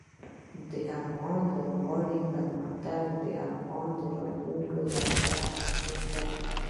د افغان لوبغاړو پرمختګ د افغانستان راتلونکې لپاره مهم دی.